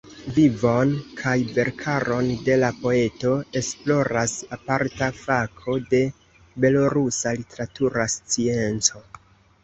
Vivon kaj verkaron de la poeto, esploras aparta fako de belorusa literatura scienco.